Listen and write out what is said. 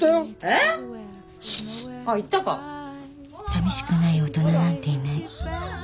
［さみしくない大人なんていない］